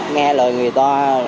nghe lời người ta